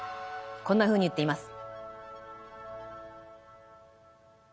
こんなふうに言っています。